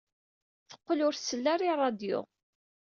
Teqqel ur tsell ara i ṛṛadyu.